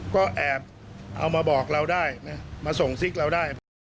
ก็แอบเอามาบอกเราได้นะมาส่งซิกเราได้